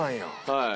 はい。